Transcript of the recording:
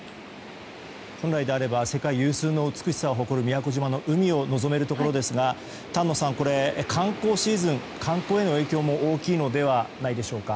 本来であれば世界有数の美しさを誇る宮古島の海を望めるところですが丹野さん、観光への影響も大きいのではないでしょうか。